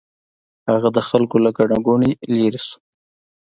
هغه د خلکو له ګڼې ګوڼې لرې شو.